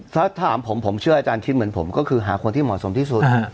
ถ้าถามผมผมเชื่ออาจารย์คิดเหมือนผมก็คือหาคนที่เหมาะสมที่สุด